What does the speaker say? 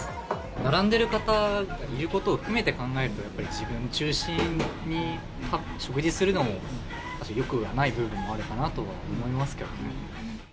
並んでる方いることを含めて考えると、やっぱり、自分中心に食事するのも、よくはない部分もあるかなとは思いますけどね。